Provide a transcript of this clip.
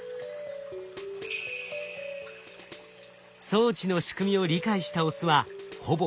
装置の仕組みを理解したオスはほぼ１００％